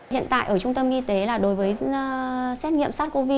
hiện tại ở trung tâm y tế là đối với xét nghiệm sars cov hai